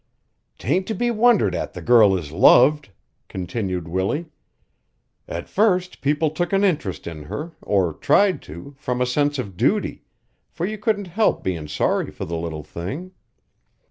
"'Tain't to be wondered at the girl is loved," continued Willie. "At first people took an interest in her, or tried to, from a sense of duty, for you couldn't help bein' sorry for the little thing.